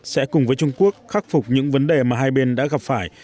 sẽ cùng với trung quốc khắc phục những vấn đề mà hai bên đã gặp phải